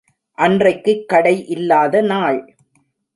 அன்றைக்குக்கடை இல்லாத நாள்.